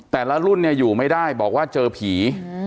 แต่ละรุ่นเนี่ยอยู่ไม่ได้บอกว่าเจอผี